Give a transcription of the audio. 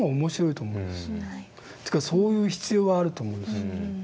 というかそういう必要はあると思うんですよ。